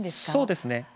そうですね。